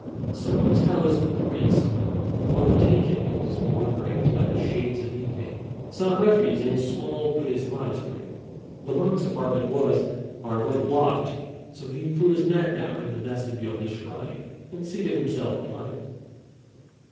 A certain Taoist priest, overtaken in his wanderings by the shades of evening, sought refuge in a small Buddhist monastery. The monk's apartment was, however, locked; so he threw his mat down in the vestibule of the shrine, and seated himself upon it.